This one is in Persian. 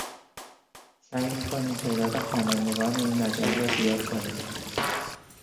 سعی میکنیم تعداد خوانندگان این مجله را زیاد کنیم.